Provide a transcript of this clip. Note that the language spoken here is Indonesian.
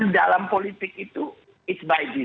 dalam politik itu it's by design